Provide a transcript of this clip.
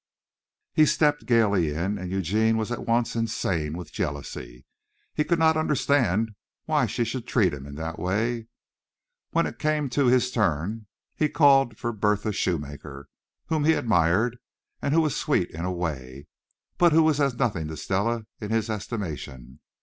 He stepped gaily in, and Eugene was at once insane with jealousy. He could not understand why she should treat him in that way. When it came to his turn he called for Bertha Shoemaker, whom he admired, and who was sweet in a way, but who was as nothing to Stella in his estimation.